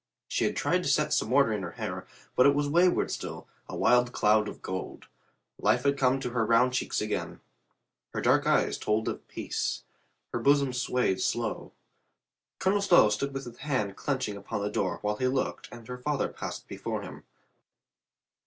She had tried to set some order in her hair, but it was wayward still, a wild cloud of gold. Life had come to her round cheeks again. Her dark eyes told of peace. Her bosom swayed slow. Colonel Stow stood with his hand clenching upon 3i6 COLONEL GREATHEART the door while he looked and her father passed be fore him.